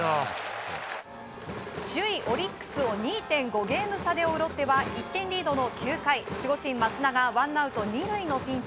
首位オリックスを２．５ゲーム差で追うロッテは１点リードの９回守護神・益田がワンアウト２塁のピンチ。